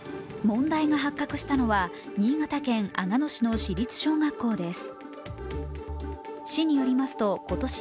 問題が発覚したのは新潟県阿賀野市の市立小学校です。